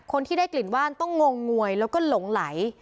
คนที่ได้กลิ่นว่านต้องงงงวยแล้วก็หลงไหล